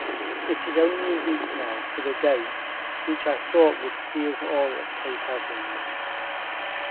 It is only a week now to the date which I thought would see us all at Cape Evans.